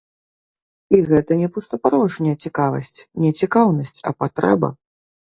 І гэта не пустапарожняя цікавасць, не цікаўнасць, а патрэба.